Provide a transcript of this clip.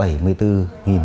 bảy mươi bốn người đạp xe